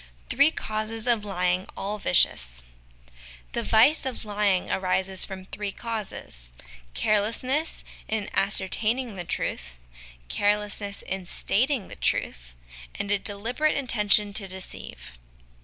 Three Causes of Lying all Vicious. The vice of lying arises from three causes: carelessness in ascertaining the truth, carelessness in stating the truth, and a deliberate intention to deceive.